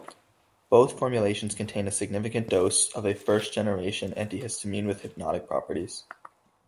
Both formulations contain a significant dose of a first generation antihistamine with hypnotic properties.